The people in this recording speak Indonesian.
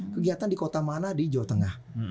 kegiatan di kota mana di jawa tengah